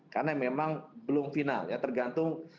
karena memang belum final tergantung